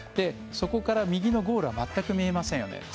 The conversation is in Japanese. そこから右のゴールは全く見えませんよね。